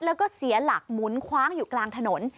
แล้วก็เสียหลักหมุนคว้างอยู่กลางถนน